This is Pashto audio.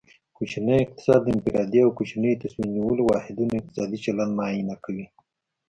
کوچنی اقتصاد د انفرادي او کوچنیو تصمیم نیولو واحدونو اقتصادي چلند معاینه کوي